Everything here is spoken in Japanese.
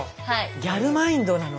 ギャルマインドなのね